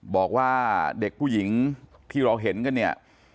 บอกว่าเด็กผู้หญิงที่เราเห็นกันเนี่ย